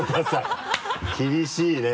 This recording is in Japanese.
厳しいね。